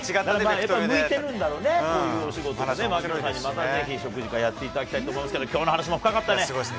向いてるんだろうね、こういうお仕事がね、槙野さんに、またぜひ、食事会やっていただきたいと思いますけれども、きょうの話も深かったね。